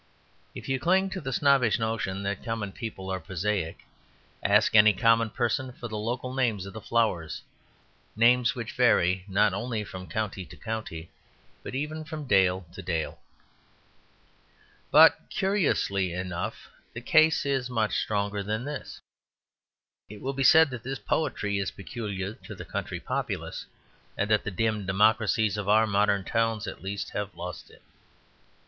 If you cling to the snobbish notion that common people are prosaic, ask any common person for the local names of the flowers, names which vary not only from county to county, but even from dale to dale. But, curiously enough, the case is much stronger than this. It will be said that this poetry is peculiar to the country populace, and that the dim democracies of our modern towns at least have lost it.